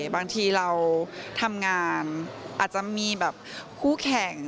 บางทีเราทำงานอาจจะมีแบบคู่แข่ง